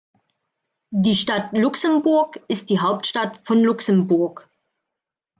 Die Stadt Luxemburg ist die Hauptstadt von Luxemburg.